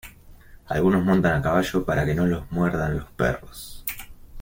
Algunos montan a caballo para que no los muerdan los perros.